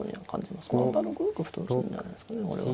また６六歩と打つんじゃないんですかねこれは。